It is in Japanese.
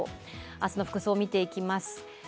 明日の服装を見ていきます。